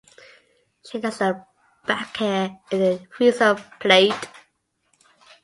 She does her back-hair in a threesome plait.